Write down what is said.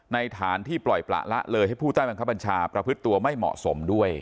ฐานที่ปล่อยประละเลยให้ผู้ใต้บังคับบัญชาประพฤติตัวไม่เหมาะสมด้วย